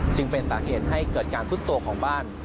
จึงเป็นสาเหตุให้เกิดการซุดตัวของบ้าน